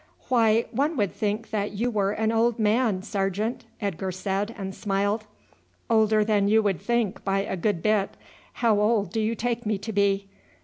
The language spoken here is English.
"Why, one would think that you were an old man, sergeant," Edgar said, and smiled. "Older than you would think by a good bit. How old do you take me to be?"